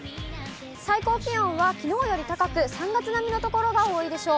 最高気温はきのうより高く、３月並みの所が多いでしょう。